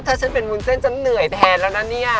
ถ้าฉันเป็นวุ้นเส้นฉันเหนื่อยแทนแล้วนะเนี่ย